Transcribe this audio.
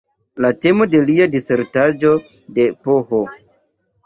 La temo de lia disertaĵo de Ph.